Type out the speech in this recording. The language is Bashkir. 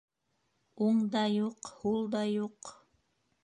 Уң да юҡ, һул да юҡ